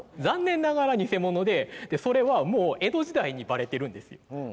残念ながら偽物でそれはもう江戸時代にバレてるんですよ。